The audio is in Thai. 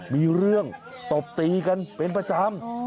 มีเรื่องตบตีกันเป็นประจำ